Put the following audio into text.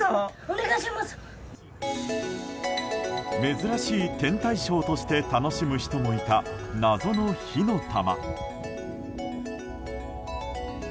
珍しい天体ショーとして楽しむ人もいた、謎の火の玉。